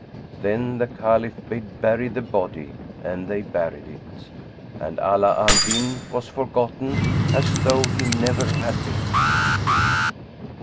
Then the Caliph bade bury the body and they buried it; and Ala al Din was forgotten as though he never had been.